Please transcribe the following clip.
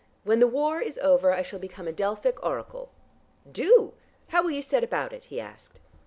When the war is over I shall become a Delphic oracle." "Do! How will you set about it?" he asked.